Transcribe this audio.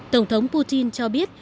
tổng thống putin cho biết